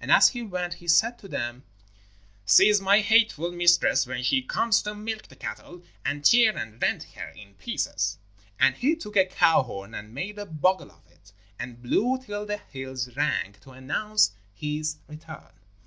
And as he went, he said to them: 'Seize my hateful mistress when she comes to milk the cattle, and tear and rend her in pieces.' And he took a cow horn and made a bugle of it and blew till the hills rang, to announce his return.